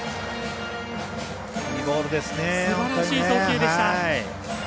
すばらしい送球でした。